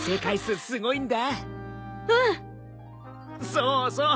そうそう！